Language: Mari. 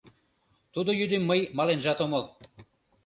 Тудо йӱдым мый маленжат омыл.